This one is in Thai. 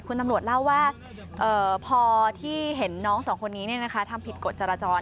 คุณตำรวจเล่าว่าพอที่เห็นน้องสองคนนี้ทำผิดกฎจราจร